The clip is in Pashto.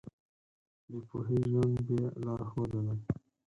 بې پوهې ژوند بې لارښوده دی.